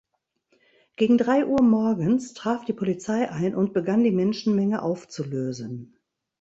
Gegen drei Uhr morgens traf die Polizei ein und begann die Menschenmenge aufzulösen.